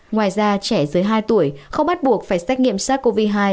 ngoài ra trẻ dưới hai tuổi không bắt buộc phải xét nghiệm sars cov hai